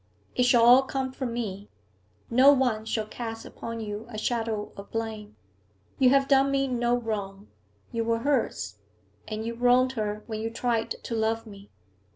It shall all come from me. No one shall cast upon you a shadow of blame. You have done me no wrong; you were hers, and you wronged her when you tried to love me.